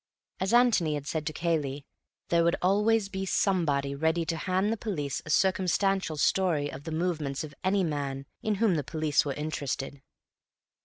As Antony had said to Cayley, there would always be somebody ready to hand the police a circumstantial story of the movements of any man in whom the police were interested.